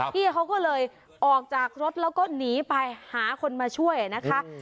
พี่เขาก็เลยออกจากรถแล้วก็หนีไปหาคนมาช่วยนะคะ